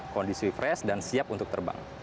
kondisi fresh dan siap untuk terbang